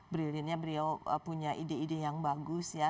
brilinnya beliau punya ide ide yang bagus ya